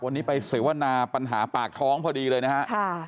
วันนี้ไปเสวนาปัญหาปากท้องพอดีเลยนะฮะ